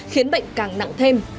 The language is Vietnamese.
khiến bệnh càng nặng thêm